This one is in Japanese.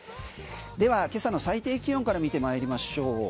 では、今朝の最低気温から見てまいりましょう。